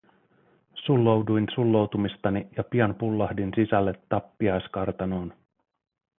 Sullouduin sulloutumistani ja pian pullahdin sisälle tappiaiskartanoon.